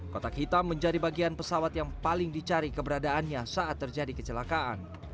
kotak hitam menjadi bagian pesawat yang paling dicari keberadaannya saat terjadi kecelakaan